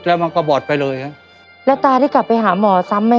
แล้วไม่เจ็บเหรอตาแผลเผลอไปวันนั้นอะ